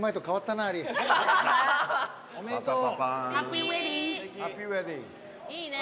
おめでとう。